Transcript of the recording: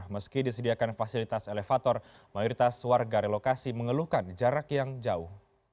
meski disediakan fasilitas elevator mayoritas warga relokasi mengeluhkan jarak yang jauh